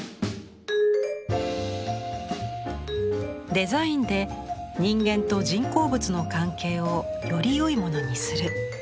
デザインで人間と人工物の関係をよりよいものにする。